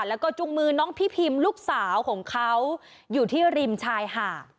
แล้วก็จุงมือน้องพี่พิมลูกสาวของเขาอยู่ที่ริมชายหาด